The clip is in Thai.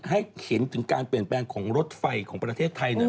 ให้เห็นถึงการเปลี่ยนแปลงของรถไฟของประเทศไทย